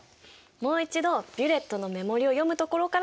もう一度ビュレットの目盛りを読むところから始めるよ。